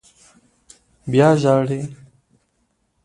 _بيا ژاړې!